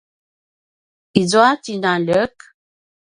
izua tjinaljek?